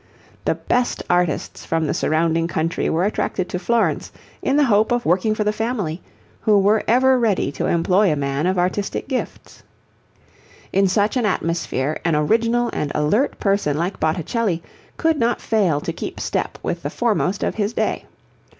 The best artists from the surrounding country were attracted to Florence in the hope of working for the family, who were ever ready to employ a man of artistic gifts. In such an atmosphere an original and alert person like Botticelli could not fail to keep step with the foremost of his day.